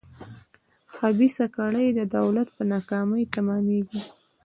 خبیثه کړۍ د دولت په ناکامۍ تمامېږي.